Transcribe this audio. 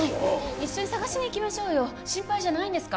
一緒に捜しに行きましょうよ心配じゃないんですか？